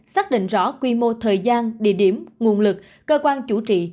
xác định rõ quy mô thời gian địa điểm nguồn lực cơ quan chủ trị